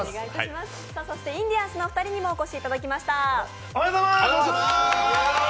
インディアンスのお二人にもお越しいただきました。